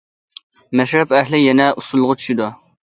مەشرەپ ئەھلى يەنە ئۇسسۇلغا چۈشىدۇ.